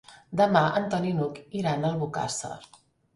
Demà en Ton i n'Hug iran a Albocàsser.